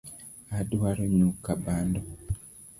Odwaro nyuka bando